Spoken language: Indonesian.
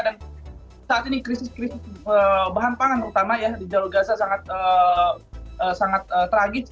dan saat ini krisis krisis bahan pangan terutama ya di jalur gaza sangat tragis